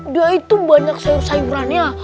dia itu banyak sayur sayurannya